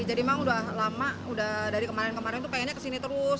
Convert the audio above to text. jadi memang sudah lama dari kemarin kemarin itu pengennya ke sini terus